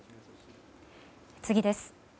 次です。